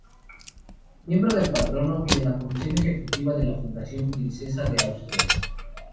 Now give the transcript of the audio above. Miembro del Patronato y de la Comisión Ejecutiva de la Fundación Princesa de Asturias.